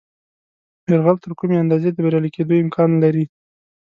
یرغل تر کومې اندازې د بریالي کېدلو امکان لري.